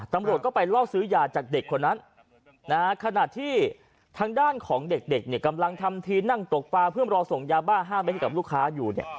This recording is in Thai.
ตำรวจก็ไปล่อซื้อยาจากเด็กคนนั้นขณะที่ทางด้านของเด็กเนี่ยกำลังทำทีนั่งตกปลาเพื่อรอส่งยาบ้า๕เม็ดกับลูกค้าอยู่เนี่ย